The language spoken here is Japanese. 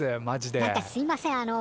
何かすいません